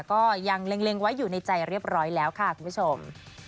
ก็ยังเล็งไว้อยู่ในใจเรียบร้อยแล้วค่ะคุณผู้ชม